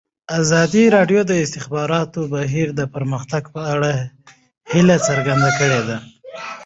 ازادي راډیو د د انتخاباتو بهیر د پرمختګ په اړه هیله څرګنده کړې.